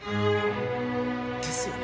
ですよね。